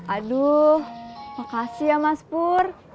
aduh makasih ya mas pur